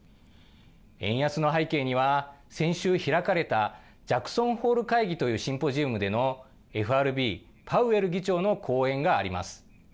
円安の背景には、先週開かれたジャクソンホール会議というシンポジウムでのＦＲＢ、パウエル議長の講演があります。